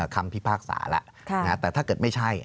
คำพิพากษาแล้วแต่ถ้าเกิดไม่ใช่